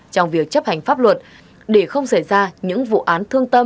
trong việc chấp hành pháp luật để không xảy ra những vụ án